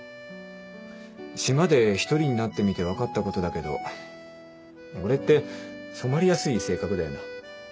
島で一人になってみて分かったことだけど俺って染まりやすい性格だよな。